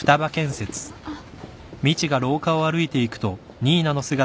あっ。